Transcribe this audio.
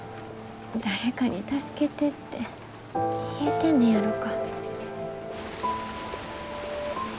誰かに助けてって言えてんねやろか。